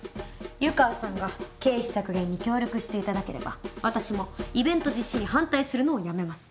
湯川さんが経費削減に協力していただければ私もイベント実施に反対するのをやめます。